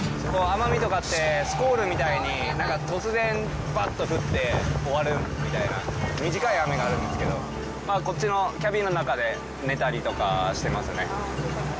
奄美とかって、スコールみたいに、突然ばっと降って終わるみたいな、短い雨があるんですけど、こっちのキャビンの中で寝たりとかしてますね。